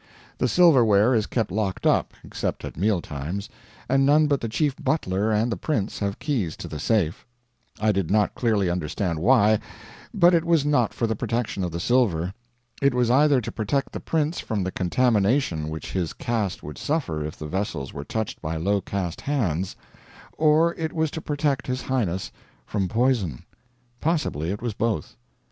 The silverware is kept locked up, except at meal times, and none but the chief butler and the prince have keys to the safe. I did not clearly understand why, but it was not for the protection of the silver. It was either to protect the prince from the contamination which his caste would suffer if the vessels were touched by low caste hands, or it was to protect his highness from poison. Possibly it was both.